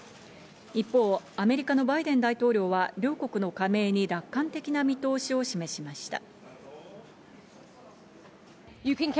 一方、アメリカのバイデン大統領は両国の加盟に楽観的な見通しを示しました。